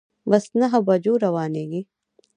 بس نهه بجو روانیږي